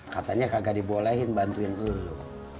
katanya kagak dibolehin bantuin dulu